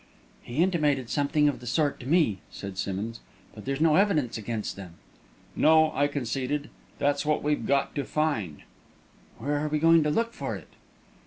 "He intimated something of the sort to me," said Simmonds; "but there's no evidence against them." "No," I conceded; "that's what we've got to find." "Where are we going to look for it?"